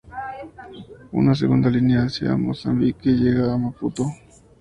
Una segunda línea hacia Mozambique llega a Maputo.